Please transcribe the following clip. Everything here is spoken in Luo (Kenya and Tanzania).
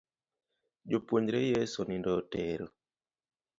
Jopuonjre Yeso nindo otero.